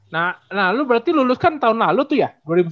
nah lu berarti lulus kan tahun lalu tuh ya